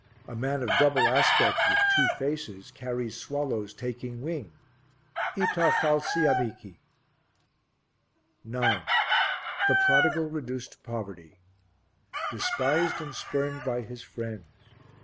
A man of double aspect, with two faces, carries swallows taking wing: "Ita falsi amici." 9. The Prodigal reduced to poverty despised and spurned by his friends.